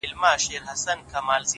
جرئت د پرمختګ پیل دی،